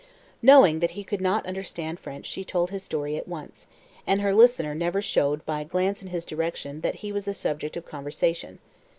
Knowing that he could not understand French she told his story at once, and her listener never showed by a glance in his direction that he was the subject of conversation.